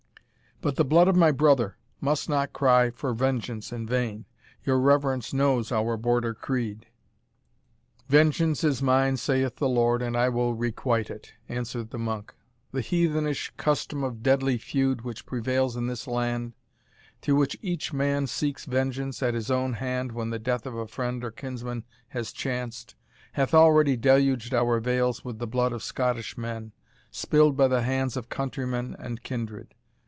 But the blood of my brother must not cry for vengeance in vain your reverence knows our Border creed." "'Vengeance is mine, saith the Lord, and I will requite it,'" answered the monk. "The heathenish custom of deadly feud which prevails in this land, through which each man seeks vengeance at his own hand when the death of a friend or kinsman has chanced, hath already deluged our vales with the blood of Scottish men, spilled by the hands of countrymen and kindred.